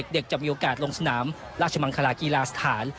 เด็กจะมีโอกาสลงสนามราชมังคารากีฬาศนาน